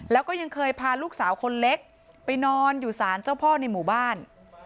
แล้วก็ยังเคยพาลูกสาวคนเล็กไปนอนอยู่สารเจ้าพ่อในหมู่บ้าน